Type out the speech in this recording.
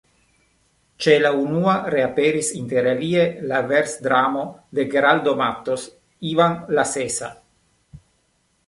Ĉe la unua reaperis interalie la versdramo de Geraldo Mattos, Ivan la Sesa.